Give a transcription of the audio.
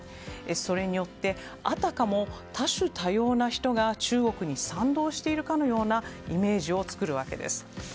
それによって、あたかも多種多様な人が中国に賛同しているかのようなイメージを作るわけです。